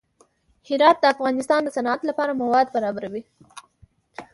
هرات د افغانستان د صنعت لپاره مواد برابروي.